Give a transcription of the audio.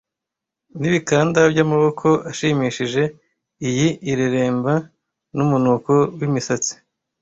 Nibikanda byamaboko ashimishije, iyi ireremba numunuko wimisatsi,